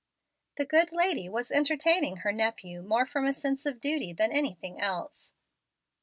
The good lady was entertaining her nephew more from a sense of duty than anything else.